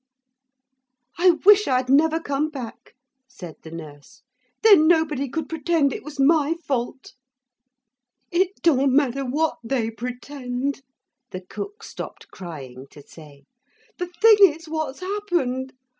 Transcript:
'I wish I'd never come back,' said the nurse. 'Then nobody could pretend it was my fault.' 'It don't matter what they pretend,' the cook stopped crying to say. 'The thing is what's happened.